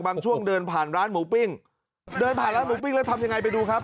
ช่วงเดินผ่านร้านหมูปิ้งเดินผ่านร้านหมูปิ้งแล้วทำยังไงไปดูครับ